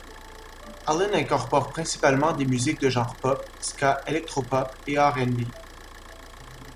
Allen incorpore principalement des musiques de genre pop, ska, electropop et R&B.